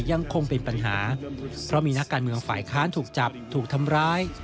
ยังคงเป็นปัญหาเพราะมีนักการเมืองฝ่ายค้านถูกจับถูกทำร้าย